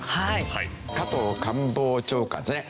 加藤官房長官ですね。